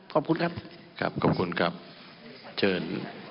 ขอบคุณครับครับขอบคุณครับเชิญ